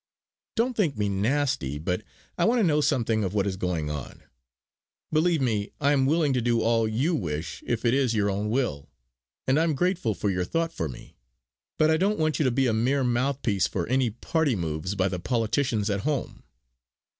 Don't think me nasty; but I want to know something of what is going on. Believe me, I am willing to do all you wish if it is your own will; and I am grateful for your thought for me. But I don't want you to be a mere mouthpiece for any party moves by the politicians at home."